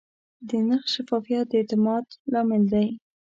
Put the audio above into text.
د نرخ شفافیت د اعتماد لامل دی.